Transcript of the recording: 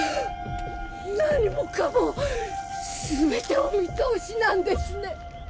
何もかも全てお見通しなんですね！